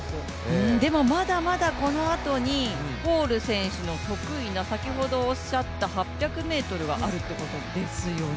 でもまだまだこのあとにホール選手の得意な、先ほどおっしゃった８００ｍがあるということですよね。